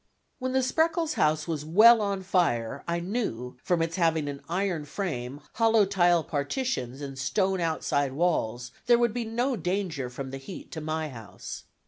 When the Spreckels house was well on fire I knew, from its having an iron frame, hollow tile partitions, and stone outside walls, there would be no danger from the heat to my house.